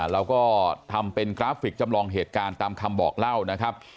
เราก็ทำเป็นกราฟิกจำลองเหตุการณ์ตามคำบอกเล่านะครับ